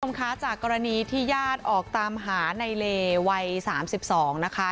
คุณผู้ชมคะจากกรณีที่ญาติออกตามหาในเลวัย๓๒นะคะ